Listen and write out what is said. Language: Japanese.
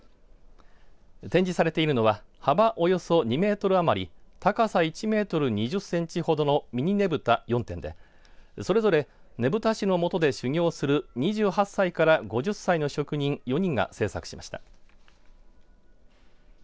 展示されているのは幅およそ２メートル余り高さ１メートル２０センチほどのミニねぶた４点でそれぞれねぶた師の下で修行する２８歳から５０歳の職人４人が制作しました。